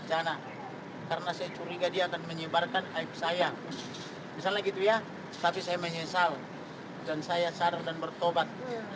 bagaimana menurut anda kalau buka bukaan di persidangan akan terlambat